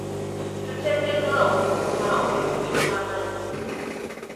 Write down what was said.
Tuteekeddwa okukuuma obuyonjo bw'amazzi.